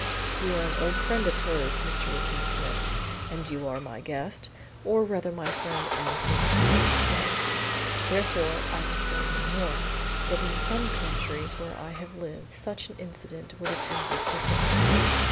You are an old friend of hers, Mr. Ruthven Smith, and you are my guest or rather my friend Annesley Seton's guest therefore I will say no more. But in some countries where I have lived such an incident would have ended differently."